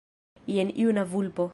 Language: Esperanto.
Jen juna vulpo.